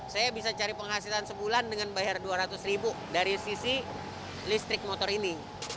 saya bisa cari penghasilan sebulan dengan bayar dua ratus ribu dari sisi listrik motor ini